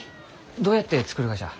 どうやって作るがじゃ？